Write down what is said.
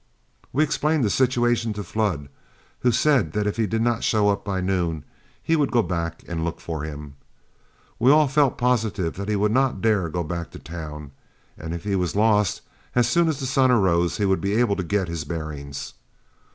We explained the situation to Flood, who said if he did not show up by noon, he would go back and look for him. We all felt positive that he would not dare to go back to town; and if he was lost, as soon as the sun arose he would be able to get his bearings.